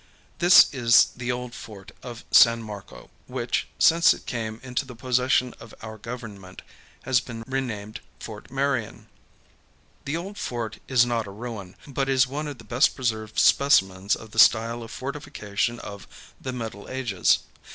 This is the old fort of San Marco, which, since it came into the possession of our government, has been renamed Fort Marion. THE SPANISH COAT OF ARMS. The old fort is not a ruin, but is one of the best preserved specimens of the style of fortification of[Pg 113] the Middle Ages.